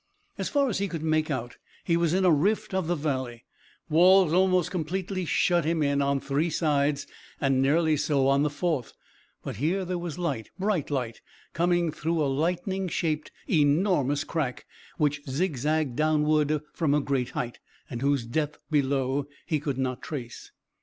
As far as he could make out he was in a rift of the valley; walls almost completely shut him in on three sides and nearly so on the fourth, but here there was light bright light coming through a lightning shaped, enormous crack which zigzagged downward from a great height, and whose depth below he could not trace.